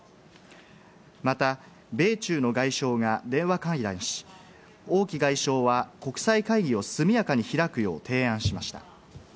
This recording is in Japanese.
また、米中の外相が電話会談し、オウ・キ外相は国際会議を速やかに開くよう提案しました。